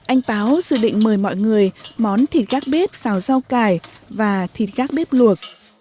anh báo dự định mời mọi người món thịt gác bếp xào rau cải và thịt gác bếp luộc